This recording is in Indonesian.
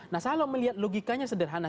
nah kalau melihat logikanya sederhana